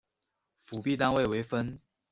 辅币单位为分。